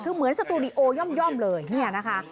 คือเหมือนสตูดิโอย่อมเลยเนี่ยนะคะ